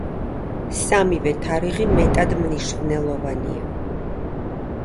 სამივე თარიღი მეტად მნიშვნელოვანია.